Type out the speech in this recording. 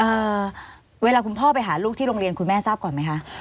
เวลาคุณพ่อไปหาลูกที่โรงเรียนคุณแม่ทราบก่อนไหมคะ